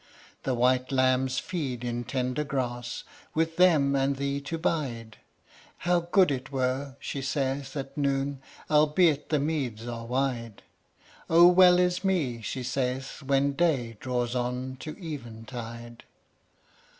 II. "The white lambs feed in tender grass: With them and thee to bide, How good it were," she saith at noon; "Albeit the meads are wide. Oh! well is me" she saith when day Draws on to eventide.